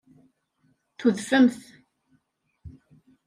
Tudfemt.